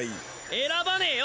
選ばねえよ。